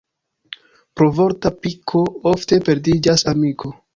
Pro vorta piko ofte perdiĝas amiko.